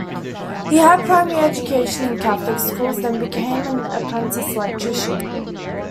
He had a primary education in Catholic schools then became an apprentice electrician.